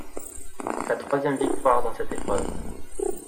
C'est sa troisième victoire dans cette épreuve.